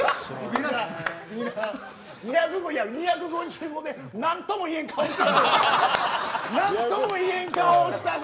２５５で何とも言えん顔してた。